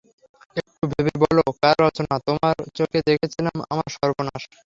একটু ভেবে বলো কার রচনা– তোমার চোখে দেখেছিলাম আমার সর্বনাশ।